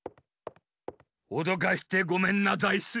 おどかしてごめんなザイス。